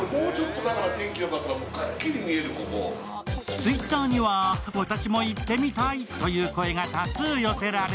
Ｔｗｉｔｔｅｒには私も行ってみたいという声が多数寄せられ